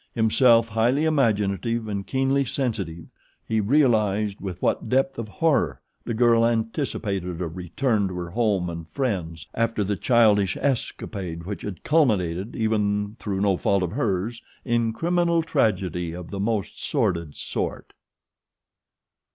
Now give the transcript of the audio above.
Himself highly imaginative and keenly sensitive, he realized with what depth of horror the girl anticipated a return to her home and friends after the childish escapade which had culminated, even through no fault of hers, in criminal tragedy of the most sordid sort.